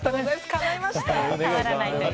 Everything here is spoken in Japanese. かないました。